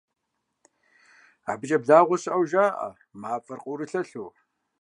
АбыкӀэ благъуэ щыӀэу жаӀэ, мафӀэр къыӀурылъэлъу.